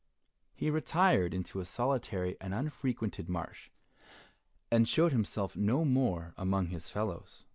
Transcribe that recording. He retired into a solitary and unfrequented marsh, and showed himself no more among his fellows.